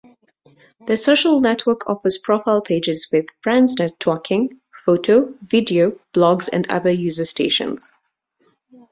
The social-network offers profile pages with friends networking, photo, video, blogs, and user stations.